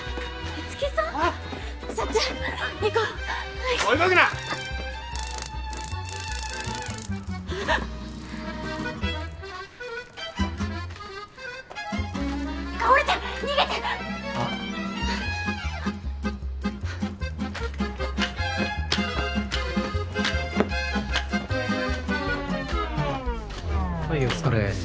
はいお疲れ。